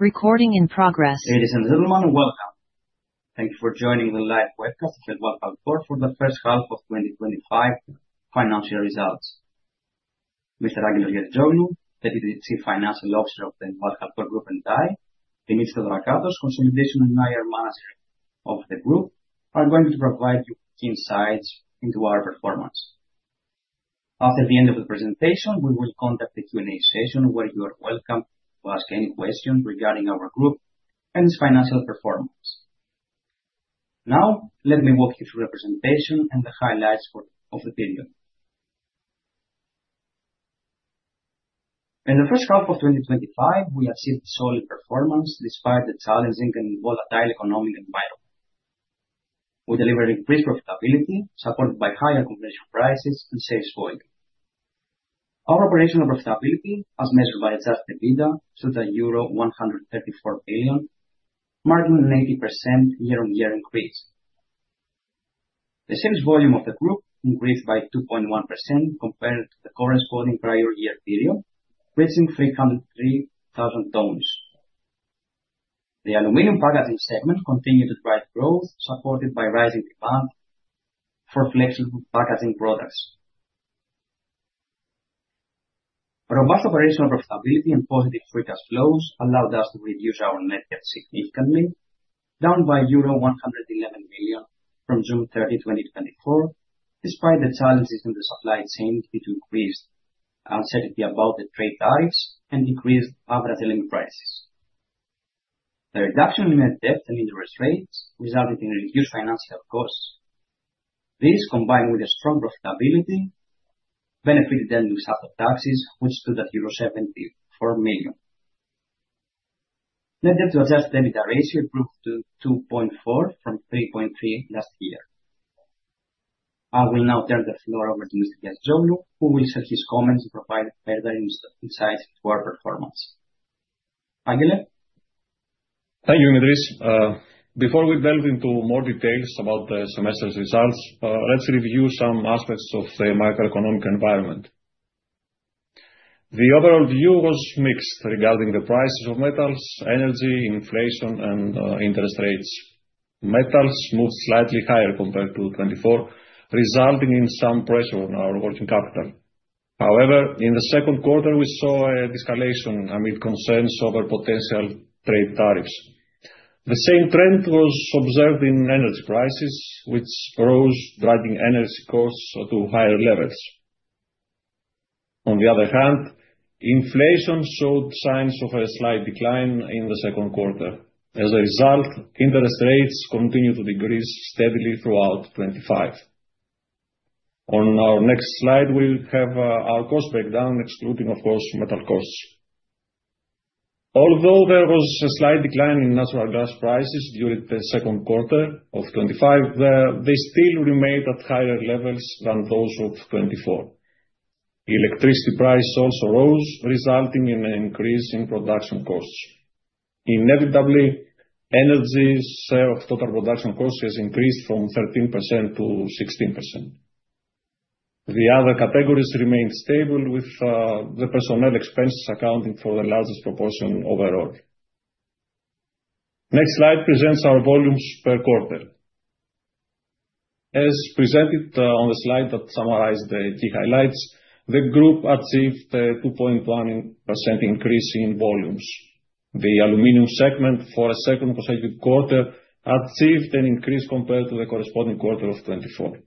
Ladies and gentlemen, welcome. Thank you for joining the live webcast of ElvalHalcor for the first half of 2025 financial results. Mr. Angelos Giazitzoglou, Deputy Chief Financial Officer of the ElvalHalcor Group, and I, Dimitrios Theodorakatos, Consolidation and IR Manager of the group, are going to provide you insights into our performance. After the end of the presentation, we will conduct a Q&A session where you are welcome to ask any questions regarding our group and its financial performance. Now, let me walk you through presentation and the highlights of the period. In the first half of 2025, we achieved solid performance despite the challenging and volatile economic environment. We delivered increased profitability, supported by higher commercial prices and sales volume. Our operational profitability, as measured by Adjusted EBITDA, shows euro 134 million, marking an 80% year-on-year increase. The sales volume of the group increased by 2.1% compared to the corresponding prior year period, reaching 303,000 tons. The aluminum packaging segment continued to drive growth, supported by rising demand for flexible packaging products. Robust operational profitability and positive free cash flows allowed us to reduce our net debt significantly, down by euro 111 million from June 30, 2024, despite the challenges in the supply chain, which increased uncertainty about the trade ties and increased operating prices. The reduction in net debt and interest rates resulted in reduced financial costs. This, combined with a strong profitability, benefited the end-of-year taxes, which stood at euro 74 million. Net debt to adjusted EBITDA ratio improved to 2.4 from 3.3 last year. I will now turn the floor over to Mr. Giazitzoglou, who will share his comments to provide further insights to our performance. Angelos? Thank you, Dimitrios. Before we delve into more details about the semester's results, let's review some aspects of the macroeconomic environment. The overall view was mixed regarding the prices of metals, energy, inflation, and interest rates. Metals moved slightly higher compared to 2024, resulting in some pressure on our working capital. However, in the second quarter, we saw a de-escalation amid concerns over potential trade tariffs. The same trend was observed in energy prices, which rose, driving energy costs to higher levels. On the other hand, inflation showed signs of a slight decline in the second quarter. As a result, interest rates continued to decrease steadily throughout 2025. On our next slide, we have our cost breakdown excluding, of course, metal costs. Although there was a slight decline in natural gas prices during the second quarter of 2025, they still remained at higher levels than those of 2024. Electricity price also rose, resulting in an increase in production costs. Inevitably, energy's share of total production cost has increased from 13%-16%. The other categories remained stable, with the personnel expenses accounting for the largest proportion overall. Next slide presents our volumes per quarter. As presented on the slide that summarized the key highlights, the group achieved a 2.1% increase in volumes. The aluminum segment, for a second consecutive quarter, achieved an increase compared to the corresponding quarter of 2024.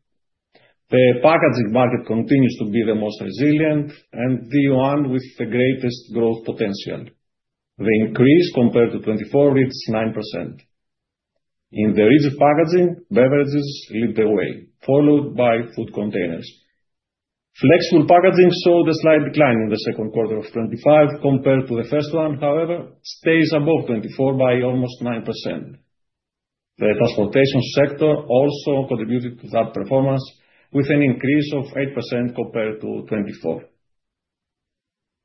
The packaging market continues to be the most resilient and the one with the greatest growth potential. The increase compared to 2024 reached 9%. In the rigid packaging, beverages lead the way, followed by food containers. Flexible packaging saw the slight decline in the second quarter of 2025 compared to the first one, however, stays above 2024 by almost 9%. The transportation sector also contributed to that performance with an increase of 8% compared to 2024.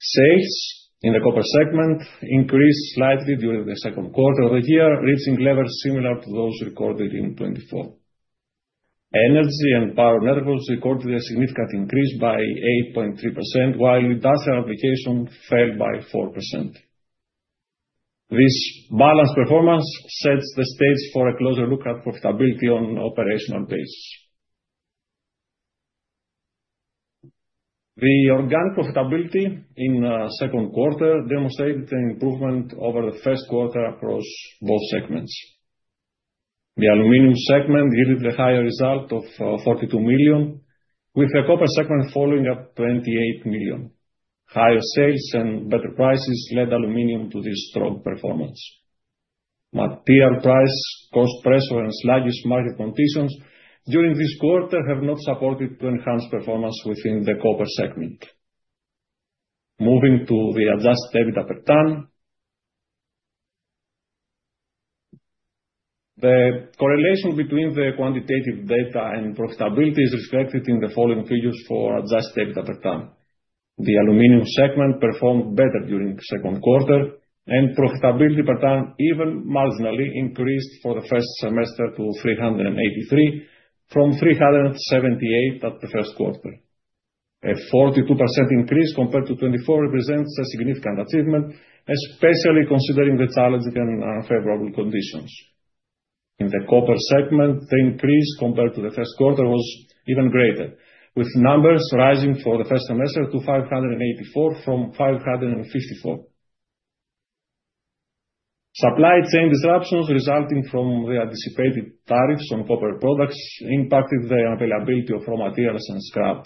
Sales in the copper segment increased slightly during the second quarter of the year, reaching levels similar to those recorded in 2024. Energy and power networks recorded a significant increase by 8.3%, while industrial application fell by 4%. This balanced performance sets the stage for a closer look at profitability on operational basis. The organic profitability in second quarter demonstrated an improvement over the first quarter across both segments. The aluminum segment yielded the higher result of 42 million, with the copper segment following up 28 million. Higher sales and better prices led aluminum to this strong performance. Material price, cost pressure, and sluggish market conditions during this quarter have not supported the enhanced performance within the copper segment. Moving to the Adjusted EBITDA per ton. The correlation between the quantitative data and profitability is reflected in the following figures for Adjusted EBITDA per ton. The aluminum segment performed better during the second quarter, and profitability per ton even marginally increased for the first semester to 383 from 378 at the first quarter. A 42% increase compared to 24 represents a significant achievement, especially considering the challenging and unfavorable conditions. In the copper segment, the increase compared to the first quarter was even greater, with numbers rising for the first semester to 584 from 554. Supply chain disruptions resulting from the anticipated tariffs on copper products impacted the availability of raw materials and scrap.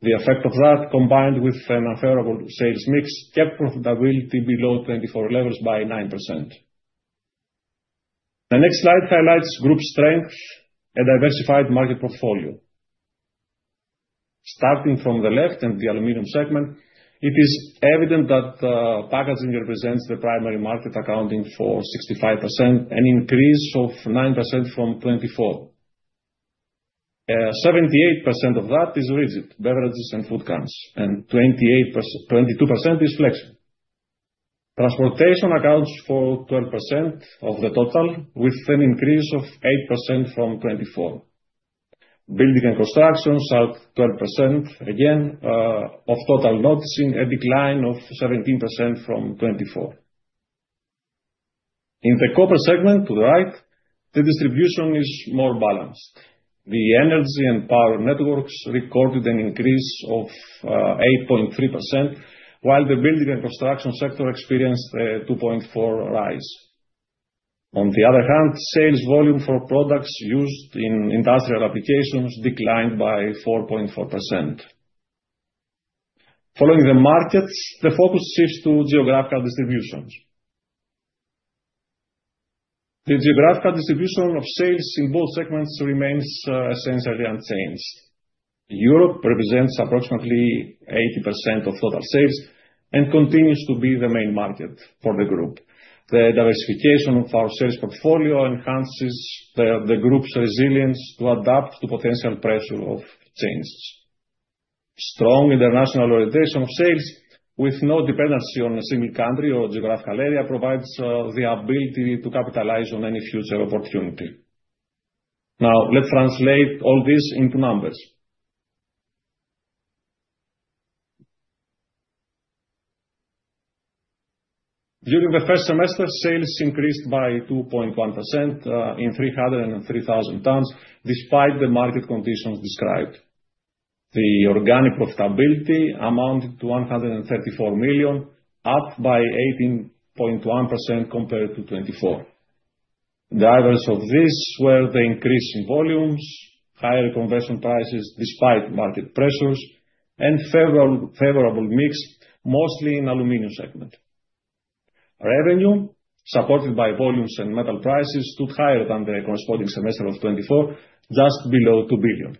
The effect of that, combined with an unfavorable sales mix, kept profitability below 2024 levels by 9%. The next slide highlights group strength and diversified market portfolio. Starting from the left in the aluminum segment, it is evident that packaging represents the primary market, accounting for 65%, an increase of 9% from 2024. Seventy-eight percent of that is rigid, beverages and food cans, and twenty-two percent is flexible. Transportation accounts for 12% of the total, with an increase of 8% from 2024. Building and construction saw 12% again, of total, noticing a decline of 17% from 2024. In the copper segment to the right, the distribution is more balanced. The energy and power networks recorded an increase of 8.3%, while the building and construction sector experienced a 2.4% rise. On the other hand, sales volume for products used in industrial applications declined by 4.4%. Following the markets, the focus shifts to geographical distributions. The geographical distribution of sales in both segments remains essentially unchanged. Europe represents approximately 80% of total sales and continues to be the main market for the group. The diversification of our sales portfolio enhances the group's resilience to adapt to potential pressure of changes. Strong international orientation of sales with no dependency on a single country or geographical area provides the ability to capitalize on any future opportunity. Now, let's translate all this into numbers. During the first semester, sales increased by 2.1% in 303,000 tons, despite the market conditions described. The organic profitability amounted to 134 million, up by 18.1% compared to 2024. The drivers of this were the increase in volumes, higher conversion prices despite market pressures, and favorable mix, mostly in aluminum segment. Revenue, supported by volumes and metal prices, stood higher than the corresponding semester of 2024, just below 2 billion.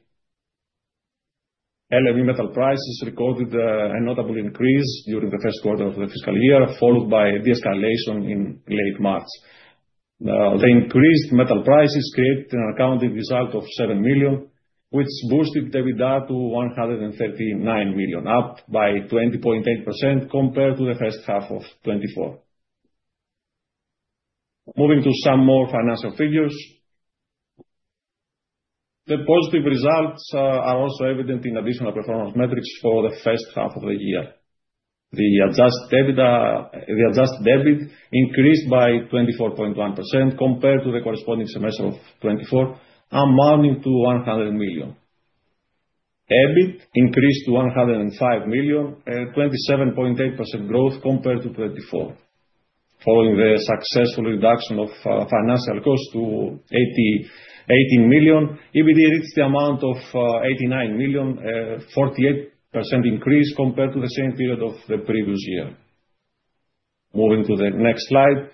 LME metal prices recorded a notable increase during the first quarter of the fiscal year, followed by de-escalation in late March. The increased metal prices created an accounting result of 7 million, which boosted the EBITDA to 139 million, up by 20.8% compared to the first half of 2024. Moving to some more financial figures. The positive results are also evident in additional performance metrics for the first half of the year. The adjusted EBITDA, the adjusted EBIT increased by 24.1% compared to the corresponding semester of 2024, amounting to 100 million. EBIT increased to 105 million, at 27.8% growth compared to 2024. Following the successful reduction of financial costs to 80 million, EBITDA reached the amount of 89 million, 48% increase compared to the same period of the previous year. Moving to the next slide,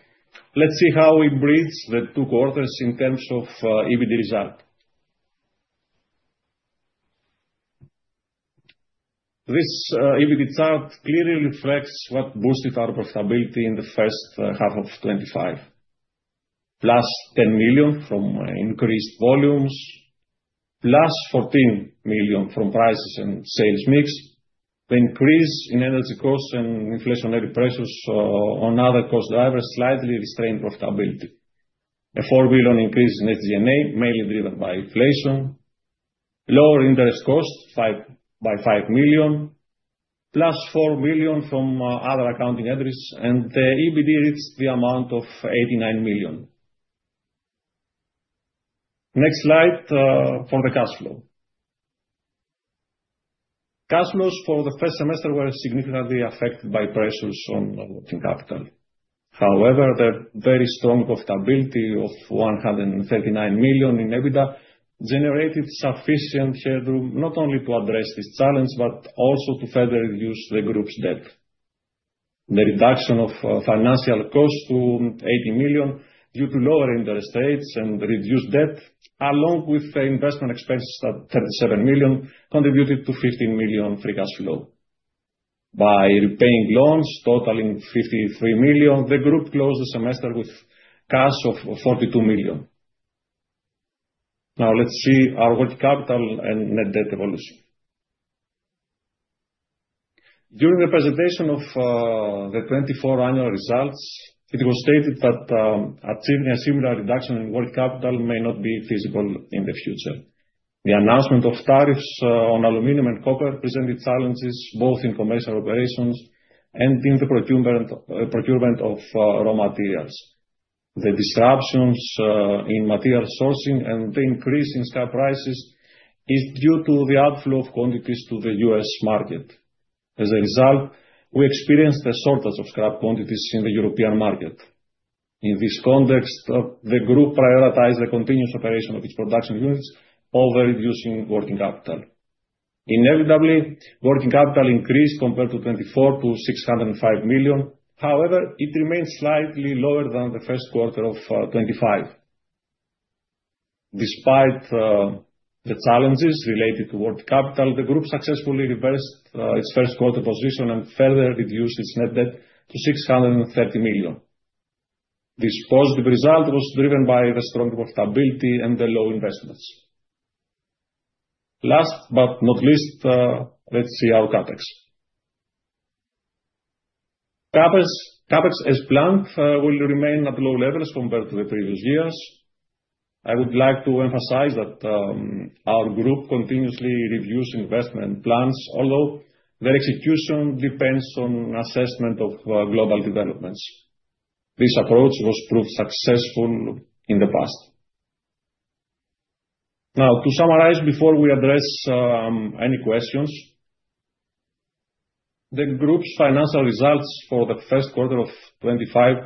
let's see how we bridge the two quarters in terms of EBITDA result. This EBITDA chart clearly reflects what boosted our profitability in the first half of 2025. Plus 10 million from increased volumes, plus 14 million from prices and sales mix. The increase in energy costs and inflationary pressures on other cost drivers slightly restrained profitability. A 4 million increase in SG&A, mainly driven by inflation. Lower interest costs by 5 million. Plus 4 million from other accounting entries, and the EBITDA reached the amount of 89 million. Next slide for the cash flow. Cash flows for the first semester were significantly affected by pressures on working capital. However, the very strong profitability of 139 million in EBITDA generated sufficient headroom, not only to address this challenge, but also to further reduce the group's debt. The reduction of financial costs to 80 million due to lower interest rates and reduced debt, along with the investment expenses at 37 million, contributed to 15 million free cash flow. By repaying loans totaling 53 million, the group closed the semester with cash of 42 million. Now let's see our working capital and net debt evolution. During the presentation of the 2024 annual results, it was stated that achieving a similar reduction in working capital may not be feasible in the future. The announcement of tariffs on aluminum and copper presented challenges both in commercial operations and in the procurement of raw materials. The disruptions in material sourcing and the increase in scrap prices is due to the outflow of quantities to the U.S. market. As a result, we experienced a shortage of scrap quantities in the European market. In this context, the group prioritized the continuous operation of its production units over reducing working capital. Inevitably, working capital increased compared to 2024 to 605 million. However, it remains slightly lower than the first quarter of 2025. Despite the challenges related to working capital, the group successfully reversed its first quarter position and further reduced its net debt to 630 million. This positive result was driven by the strong profitability and the low investments. Last but not least, let's see our CapEx. CapEx as planned will remain at low levels compared to the previous years. I would like to emphasize that our group continuously reviews investment plans, although their execution depends on assessment of global developments. This approach was proved successful in the past. Now, to summarize, before we address any questions, the group's financial results for the first quarter of 2025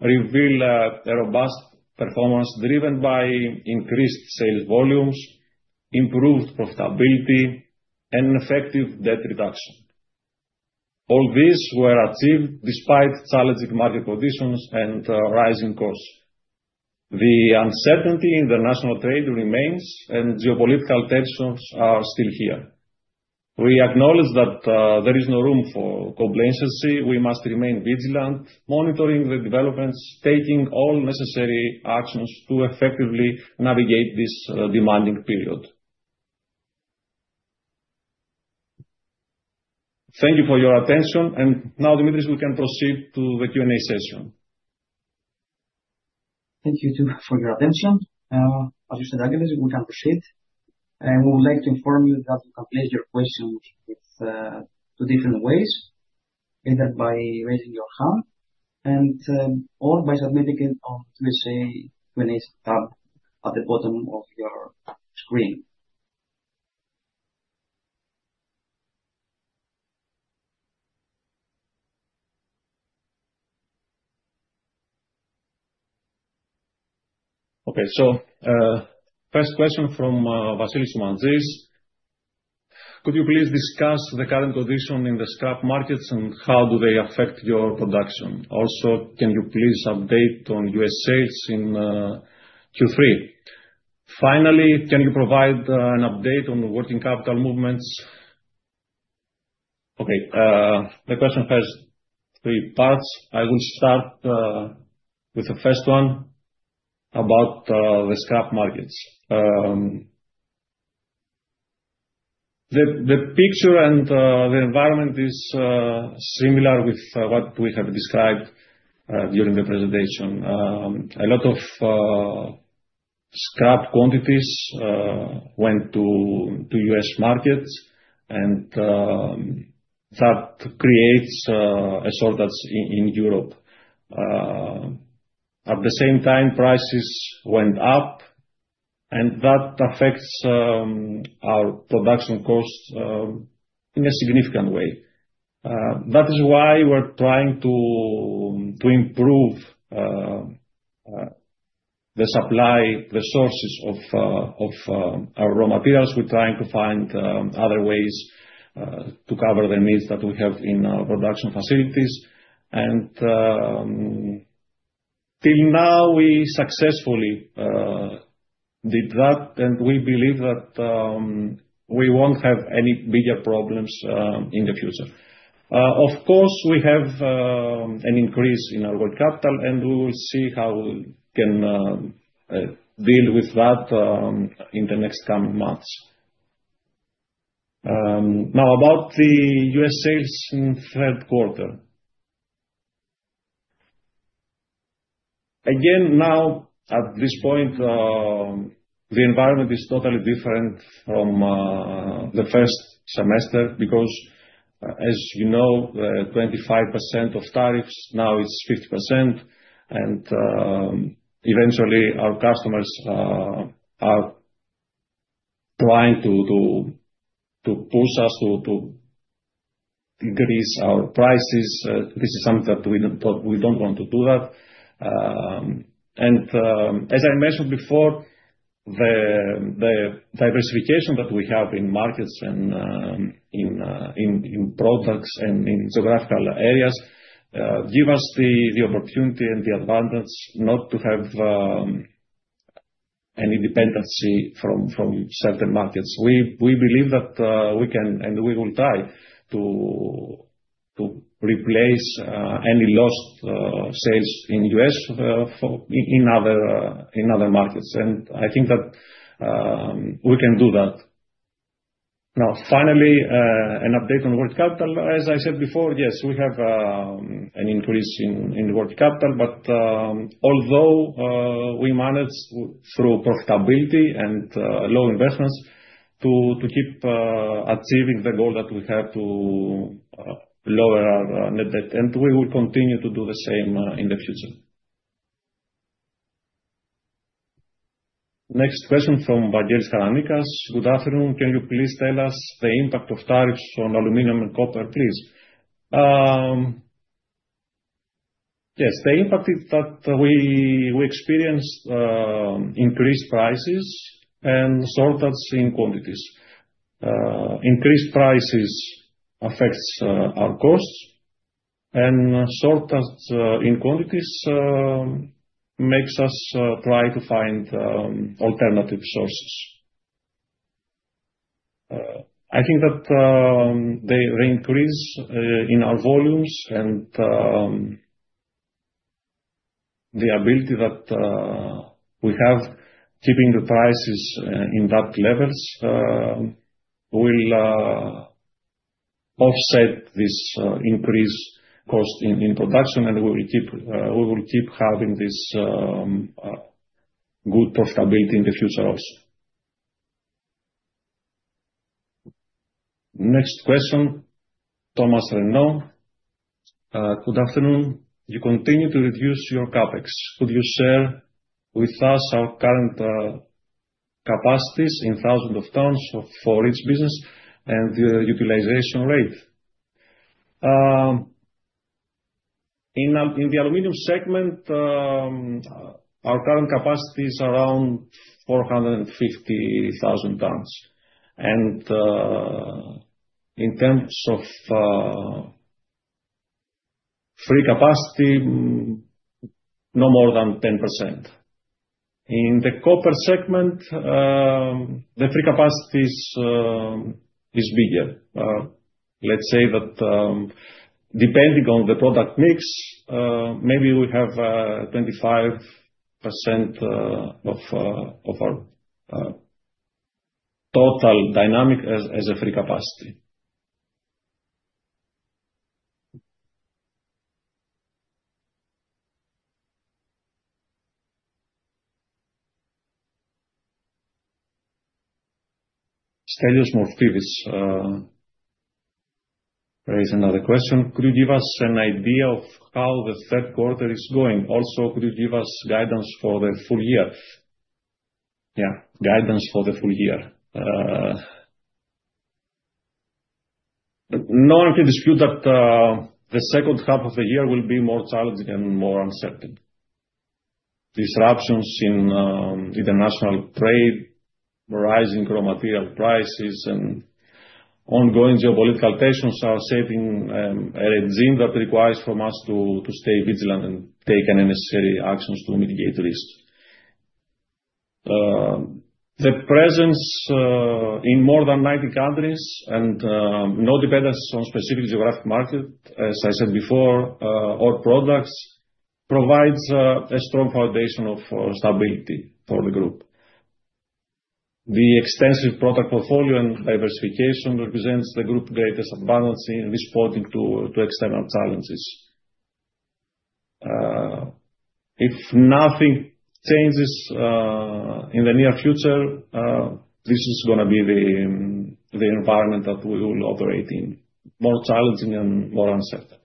reveal a robust performance driven by increased sales volumes, improved profitability, and an effective debt reduction. All these were achieved despite challenging market conditions and rising costs. The uncertainty in the national trade remains, and geopolitical tensions are still here. We acknowledge that, there is no room for complacency. We must remain vigilant, monitoring the developments, taking all necessary actions to effectively navigate this, demanding period. Thank you for your attention. Now, Dimitrios, we can proceed to the Q&A session. Thank you too for your attention. As you said, Angelos, we can proceed, and we would like to inform you that you can place your questions with two different ways, either by raising your hand and or by submitting it on to the Q&A tab at the bottom of your screen. Okay. First question from Vasilis Manesis. Could you please discuss the current condition in the scrap markets and how do they affect your production? Also, can you please update on U.S. sales in Q3? Finally, can you please provide an update on the working capital movements? Okay, the question has three parts. I will start with the first one about the scrap markets. The picture and the environment is similar with what we have described during the presentation. A lot of scrap quantities went to U.S. markets, and that creates a shortage in Europe. At the same time, prices went up, and that affects our production costs in a significant way. That is why we're trying to improve the supply, the sources of our raw materials. We're trying to find other ways to cover the needs that we have in our production facilities. Till now, we successfully did that, and we believe that we won't have any bigger problems in the future. Of course, we have an increase in our working capital, and we will see how we can deal with that in the next coming months. Now, about the U.S. sales in the third quarter. Again, now, at this point, the environment is totally different from the first semester because as you know, the 25% of tariffs now is 50%. Eventually our customers are trying to push us to increase our prices. This is something that we don't want to do that. As I mentioned before, the diversification that we have in markets and in products and in geographical areas give us the opportunity and the advantage not to have any dependency from certain markets. We believe that we can and we will try to replace any lost sales in US for in other markets. I think that we can do that. Now, finally, an update on working capital. As I said before, yes, we have an increase in working capital, but although we managed through profitability and low investments to keep achieving the goal that we have to lower our net debt, and we will continue to do the same in the future. Next question from Evangelos Karanikas. Good afternoon. Can you please tell us the impact of tariffs on aluminum and copper, please? Yes. The impact is that we experience increased prices and shortage in quantities. Increased prices affects our costs and shortage in quantities makes us try to find alternative sources. I think that the increase in our volumes and the ability that we have keeping the prices in that levels will offset this increased cost in production, and we will keep having this good profitability in the future also. Next question, Thomas Renault. Good afternoon. You continue to reduce your CapEx. Could you share with us our current capacities in thousands of tons for each business and the utilization rate? In the aluminum segment, our current capacity is around 450,000 tons. In terms of free capacity, no more than 10%. In the copper segment, the free capacity is bigger. Let's say that, depending on the product mix, maybe we have 25% of our total demand as a free capacity. Stelios Morfis, raise another question. Could you give us an idea of how the third quarter is going? Also, could you give us guidance for the full year? Yeah, guidance for the full year. No one can dispute that the second half of the year will be more challenging and more uncertain. Disruptions in international trade, rising raw material prices and ongoing geopolitical tensions are shaping a regime that requires from us to stay vigilant and take any necessary actions to mitigate risk. The presence in more than 90 countries and no dependence on specific geographic market, as I said before, or products provides a strong foundation of stability for the group. The extensive product portfolio and diversification represents the group's greatest balancing in responding to external challenges. If nothing changes in the near future, this is gonna be the environment that we will operate in, more challenging and more uncertain.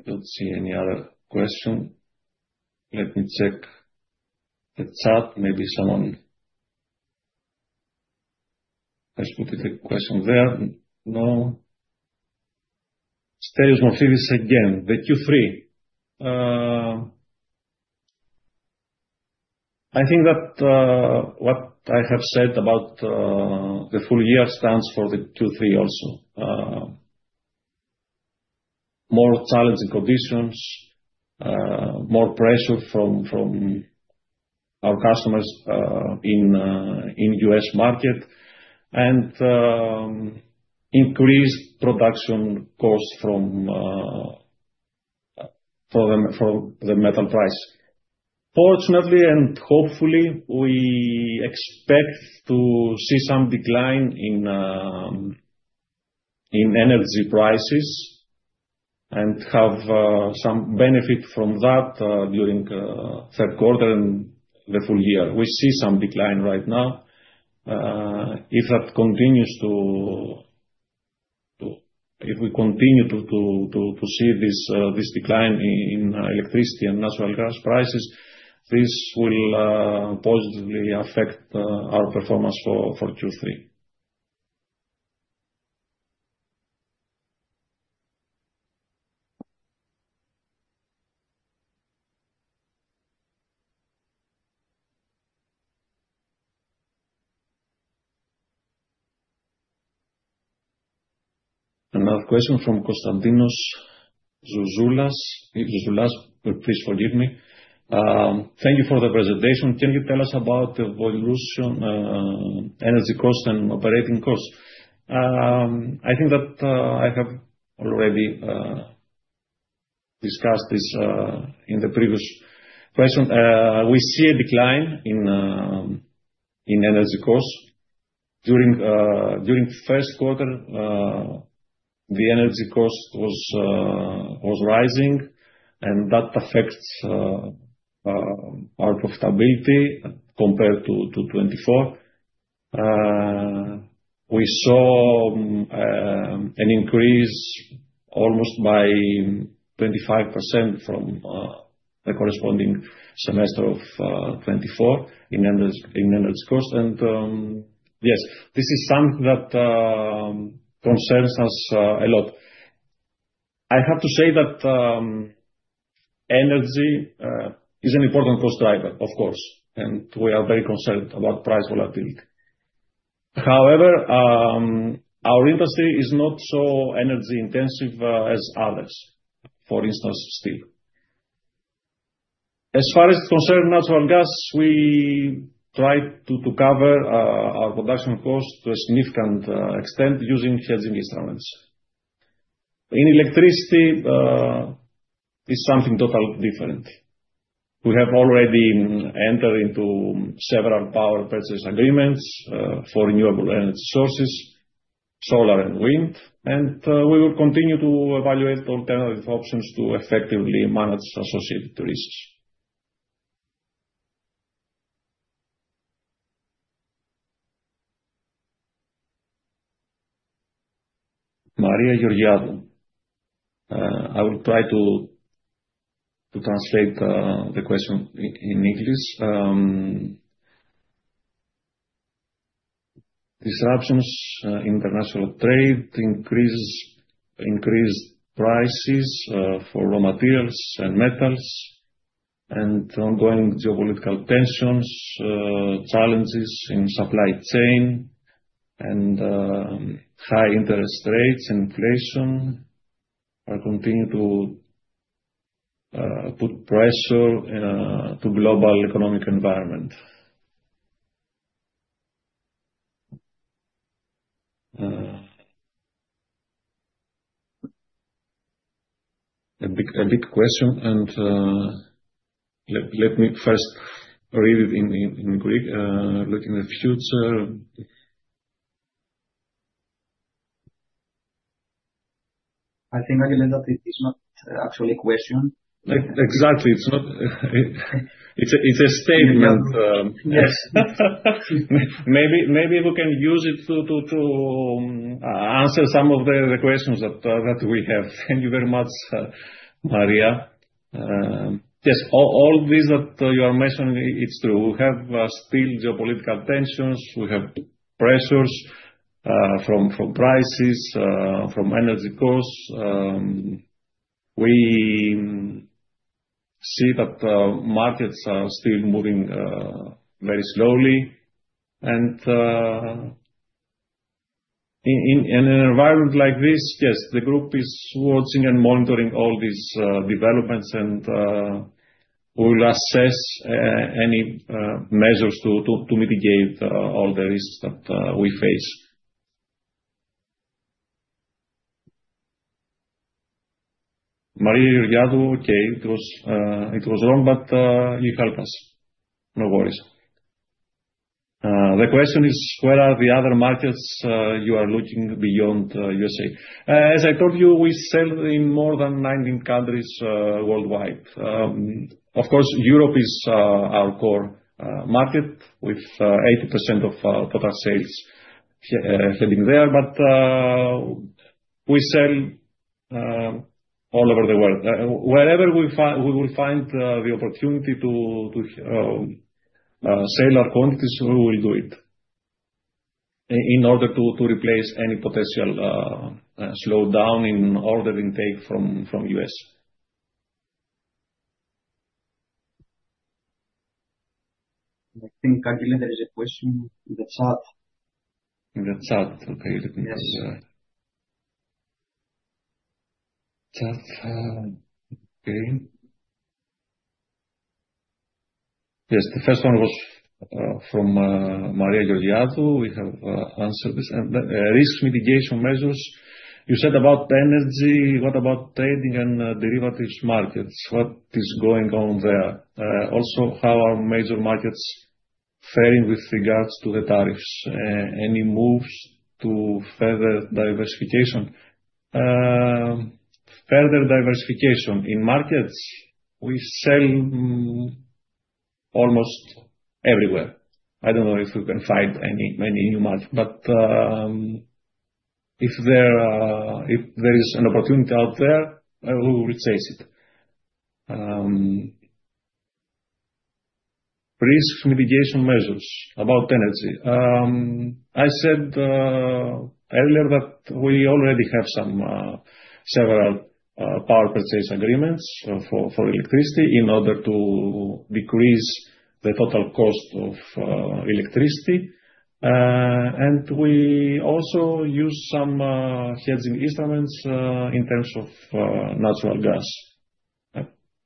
I don't see any other question. Let me check the chat. Maybe someone has put the question there. No. Stelios Morfis again. The Q3. I think that what I have said about the full year stands for the Q3 also. More challenging conditions, more pressure from our customers in U.S. market, and increased production costs for the metal price. Fortunately, and hopefully, we expect to see some decline in energy prices and have some benefit from that during third quarter and the full year. We see some decline right now. If we continue to see this decline in electricity and natural gas prices, this will positively affect our performance for Q3. Another question from Constantinos Zouzoulas. Zouzoulas, please forgive me. Thank you for the presentation. Can you tell us about the evolution, energy cost and operating costs? I think that I have already discussed this in the previous question. We see a decline in energy costs. During the first quarter, the energy cost was rising, and that affects our profitability compared to 2024. We saw an increase almost by 25% from the corresponding semester of 2024 in energy cost. Yes, this is something that concerns us a lot. I have to say that energy is an important cost driver, of course, and we are very concerned about price volatility. However, our industry is not so energy intensive as others, for instance steel. As far as natural gas is concerned, we try to cover our production cost to a significant extent using hedging instruments. In electricity, is something totally different. We have already entered into several power purchase agreements for renewable energy sources, solar and wind, and we will continue to evaluate alternative options to effectively manage associated risks. Maria Georgiadou. I will try to translate the question in English. Disruptions, international trade increase, increased prices for raw materials and metals and ongoing geopolitical tensions, challenges in supply chain and high interest rates, inflation continue to put pressure into global economic environment. A big question. Let me first read it in Greek. Looking at future. I think, Angelos, that it is not actually a question. Exactly. It's a statement. Yes. Maybe we can use it to answer some of the questions that we have. Thank you very much, Maria. Yes. All these that you are mentioning, it's true. We have still geopolitical tensions. We have pressures from prices from energy costs. We see that markets are still moving very slowly. In an environment like this, yes, the group is watching and monitoring all these developments and we will assess any measures to mitigate all the risks that we face. Maria Georgiadou, okay, it was wrong, but you helped us. No worries. The question is, where are the other markets you are looking beyond USA? As I told you, we sell in more than 19 countries worldwide. Of course, Europe is our core market with 80% of our total sales selling there. We sell all over the world. Wherever we will find the opportunity to sell our quantities, we will do it in order to replace any potential slowdown in order intake from U.S. I think, Angelos, there is a question in the chat. In the chat? Okay. Let me see. Yes. Chat. Okay. Yes, the first one was from Maria Georgiadou. We have answered this. Risk mitigation measures, you said about energy. What about trading and derivatives markets? What is going on there? Also, how are major markets faring with regards to the tariffs? Any moves to further diversification? Further diversification. In markets, we sell almost everywhere. I don't know if we can find many new markets, but if there is an opportunity out there, we will chase it. Risk mitigation measures about energy. I said earlier that we already have several power purchase agreements for electricity in order to decrease the total cost of electricity. We also use some hedging instruments in terms of natural gas.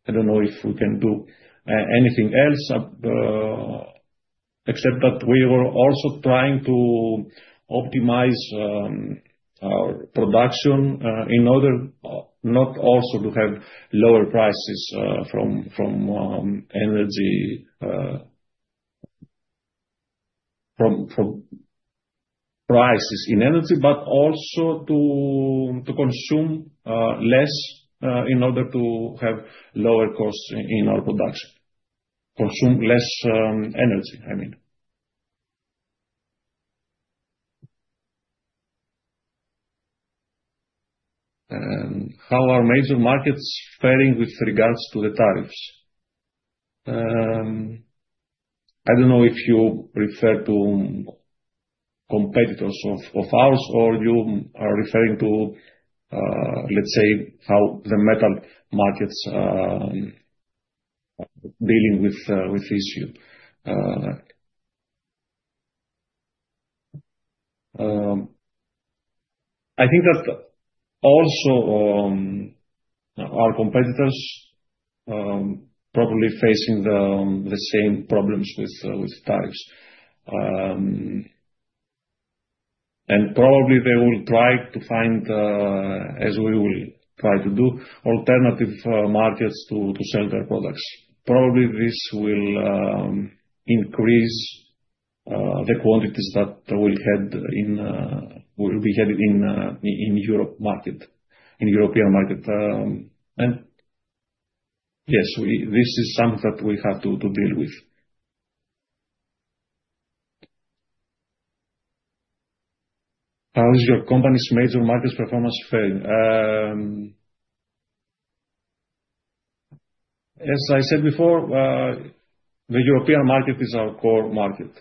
I don't know if we can do anything else except that we were also trying to optimize our production in order not also to have lower prices from prices in energy but also to consume less in order to have lower costs in our production. Consume less energy, I mean. How are major markets faring with regards to the tariffs? I don't know if you refer to competitors of ours or you are referring to let's say how the metal markets are dealing with this issue. I think that also our competitors probably facing the same problems with tariffs. Probably they will try to find, as we will try to do, alternative markets to sell their products. Probably this will increase the quantities that we had in European market. Yes, this is something that we have to deal with. How is your company's major markets performance faring? As I said before, the European market is our core market.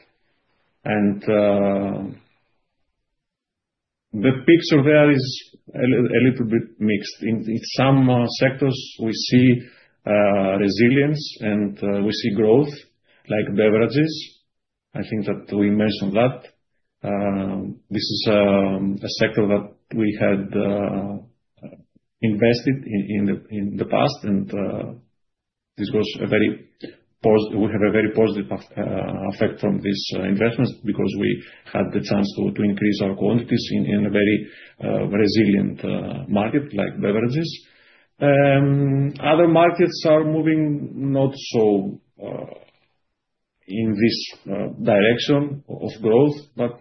The picture there is a little bit mixed. In some sectors, we see resilience and we see growth, like beverages. I think that we mentioned that. This is a sector that we had invested in the past. This was a very pos... We have a very positive effect from these investments because we had the chance to increase our quantities in a very resilient market like beverages. Other markets are moving not so in this direction of growth, but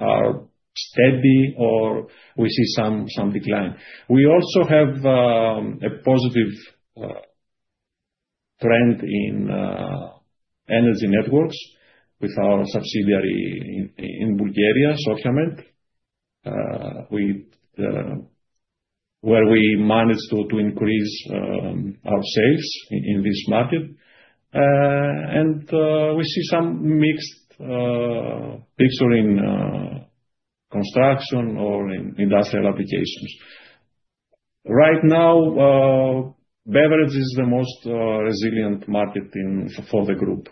are steady or we see some decline. We also have a positive trend in energy networks with our subsidiary in Bulgaria, Sofia Med, where we managed to increase our sales in this market. We see some mixed picture in construction or in industrial applications. Right now, beverage is the most resilient market for the group.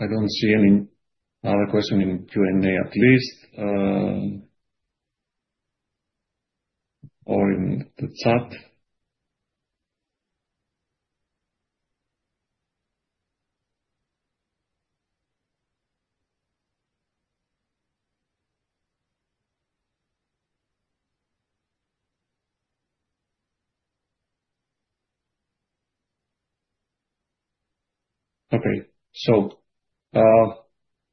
I don't see any other question in Q&A, at least, or in the chat. Okay.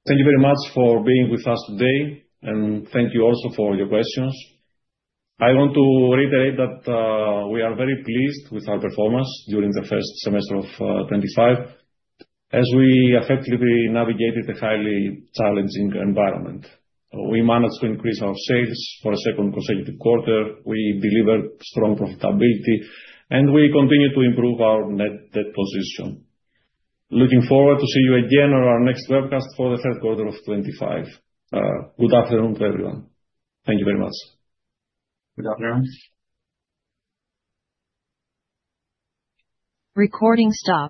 Thank you very much for being with us today, and thank you also for your questions. I want to reiterate that we are very pleased with our performance during the first semester of 2025, as we effectively navigated a highly challenging environment. We managed to increase our sales for a second consecutive quarter, we delivered strong profitability, and we continue to improve our net debt position. Looking forward to see you again on our next webcast for the third quarter of 2025. Good afternoon to everyone. Thank you very much. Good afternoon. Recording stop.